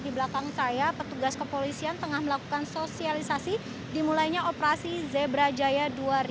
di belakang saya petugas kepolisian tengah melakukan sosialisasi dimulainya operasi zebra jaya dua ribu dua puluh